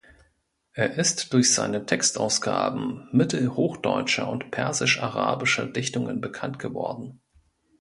Er ist durch seine Textausgaben mittelhochdeutscher und persisch-arabischer Dichtungen bekannt geworden.